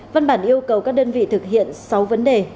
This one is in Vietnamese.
văn bản yêu cầu các đơn vị thực hiện sáu vấn đề